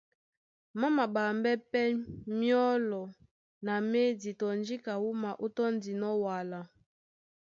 Má maɓambɛ́ pɛ́ myɔ́lɔ na médi tɔ njíka wúma ó tɔ́ndinɔ́ wala.